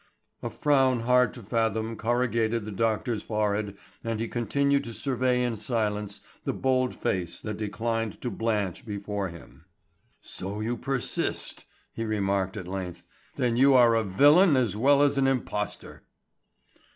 A frown hard to fathom corrugated the doctor's forehead and he continued to survey in silence the bold face that declined to blench before him. "So you persist—" he remarked at length. "Then you are a villain as well as an impostor."